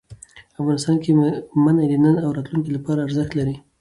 افغانستان کې منی د نن او راتلونکي لپاره ارزښت لري.